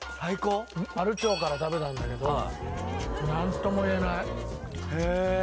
丸腸から食べたんだけど何とも言えないへえ